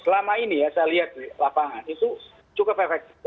selama ini ya saya lihat di lapangan itu cukup efektif